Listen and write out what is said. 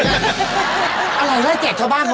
วันนี้ทำอะไรกินคะแม่คะ